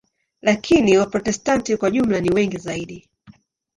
Lakini Waprotestanti kwa jumla ni wengi zaidi.